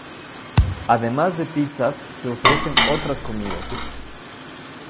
Además de pizzas, se ofrecen otras comidas.